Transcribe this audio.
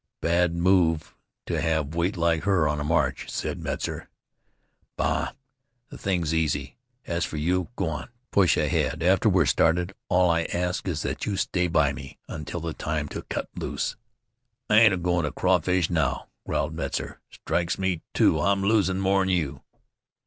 "Bad move to have weight like her on a march," said Metzar. "Bah! The thing's easy. As for you, go on, push ahead after we're started. All I ask is that you stay by me until the time to cut loose." "I ain't agoin' to crawfish now," growled Metzar. "Strikes me, too, I'm losin' more'n you."